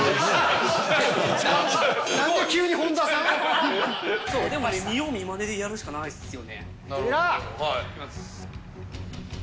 なんで急に本田さん？でも見よう見まねでやるしかないですよね。